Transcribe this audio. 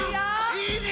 いいね！